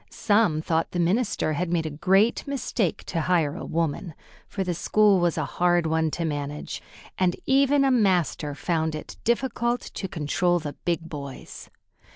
Some thought the minister had made a great mistake to hire a woman, for the school was a hard one to manage, and even a master found it difficult to control the big boys.